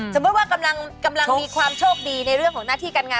สมมุติว่ากำลังมีความโชคดีในเรื่องของหน้าที่การงาน